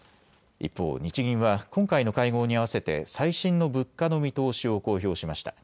一方、日銀は今回の会合に合わせて最新の物価の見通しを公表しました。